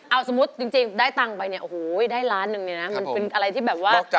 เอาสมมุติจริงได้ตังค์ไปเนี่ยโหได้ล้านหนึ่งเลยนะมันมีอะไรที่เป็นยะ